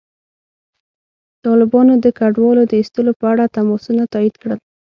طالبانو د کډوالو د ایستلو په اړه تماسونه تایید کړل.